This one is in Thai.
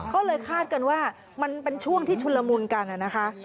ก็เลยคาดกันว่ามันเป็นช่วงที่ชุนละมุนกันนะคะ